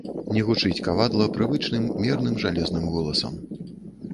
Не гучыць кавадла прывычным мерным жалезным голасам.